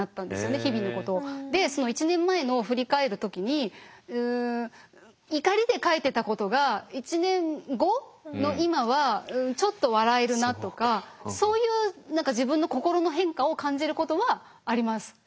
でその１年前のを振り返る時に怒りで書いてたことが１年後の今はちょっと笑えるなとかそういう何か自分の心の変化を感じることはあります。